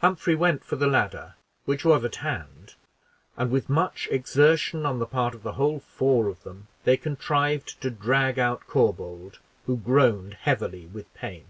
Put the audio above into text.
Humphrey went for the ladder, which was at hand, and, with much exertion on the part of the whole four of them, they contrived to drag out Corbould, who groaned heavily with pain.